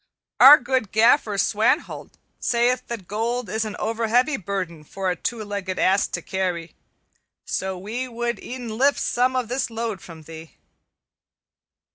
Our good Gaffer Swanthold sayeth that gold is an overheavy burden for a two legged ass to carry; so we would e'en lift some of this load from thee."